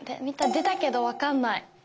出たけど分かんない。